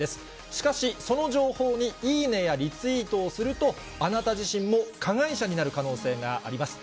しかし、その情報にいいねやリツイートをするとあなた自身も加害者になる可能性があります。